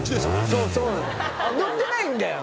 そうそうなの乗ってないんだよ